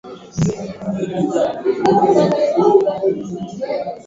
Polisi walikizuia chama kufanya mikutano kabla ya uchaguzi